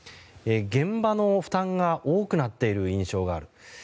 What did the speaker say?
現場の負担が多くなっている印象がある。